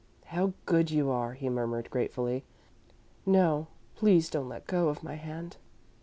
"How good you are!" he murmured, gratefully. "No, please don't let go of my hand."